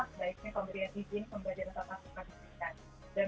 sebaiknya pemberian izin pemberian kesatuan kekasih pilihan